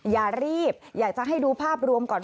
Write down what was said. อย่ารีบอยากจะให้ดูภาพรวมก่อน